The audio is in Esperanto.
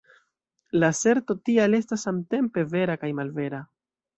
La aserto tial estas samtempe vera kaj malvera”.